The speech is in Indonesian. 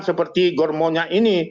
seperti germonya ini